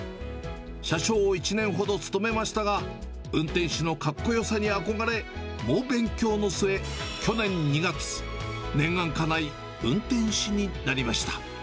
車掌を１年ほど務めましたが、運転士のかっこよさに憧れ、猛勉強の末、去年２月、念願かない、運転士になりました。